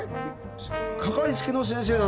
かかりつけの先生なんだ。